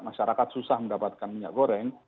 masyarakat susah mendapatkan minyak goreng